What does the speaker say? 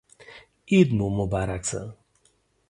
عید مو مبارک شه